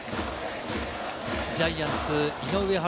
ジャイアンツ・井上温